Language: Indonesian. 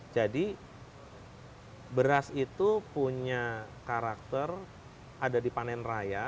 jadi beras itu punya karakter ada di panen raya